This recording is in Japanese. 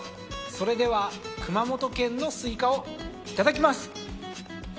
それでは熊本県のスイカをいただきます。